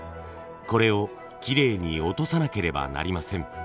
これをきれいに落とさなければなりません。